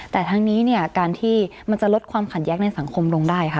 แต่ทั้งนี้เนี่ยการที่มันจะลดความขัดแย้งในสังคมลงได้ค่ะ